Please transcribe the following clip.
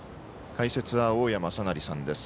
解説は大矢正成さんです。